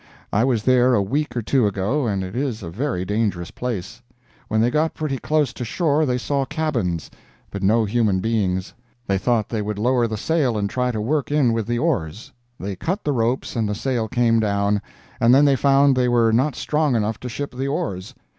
I was there a week or two ago and it is a very dangerous place. When they got pretty close to shore they saw cabins, but no human beings. They thought they would lower the sail and try to work in with the oars. They cut the ropes and the sail came down, and then they found they were not strong enough to ship the oars.